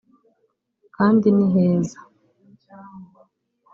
kandi ni heza